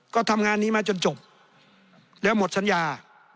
ก็ทำงานนี้มาจนจบแล้วหมดสัญญา